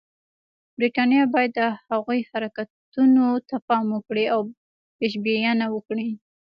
برټانیه باید د هغوی حرکتونو ته پام وکړي او پېشبینه وي.